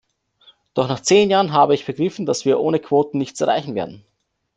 Doch nach zehn Jahren habe ich begriffen, dass wir ohne Quoten nichts erreichen werden.